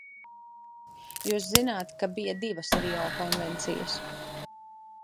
Jūs zināt, ka bija divas Rio konvencijas.